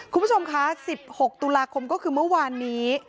คุณผู้ชมคะ๑๖ตุลาคมก็คือเมื่อวานนี้